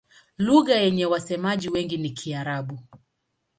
Lugha yenye wasemaji wengi ni Kiarabu.